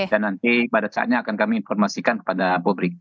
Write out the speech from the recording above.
dan nanti pada saatnya akan kami informasikan kepada publik